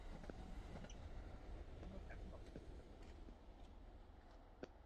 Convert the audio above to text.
তোমার এখন অফিসে থাকার কথা না?